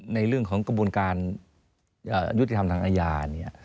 ในเรื่องของกระบวนการยุติธรรมทางอาญาเนี่ย